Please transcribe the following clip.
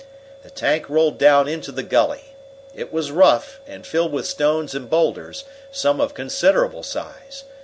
The tank rolled down into the gully. It was rough and filled with stones and boulders, some of considerable size.